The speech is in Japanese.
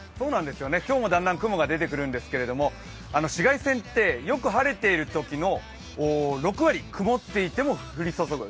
今日もだんだん雲が出てくるんですけど紫外線ってよく晴れているときの６割曇っていても降り注ぐ。